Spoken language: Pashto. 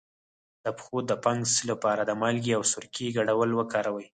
د پښو د فنګس لپاره د مالګې او سرکې ګډول وکاروئ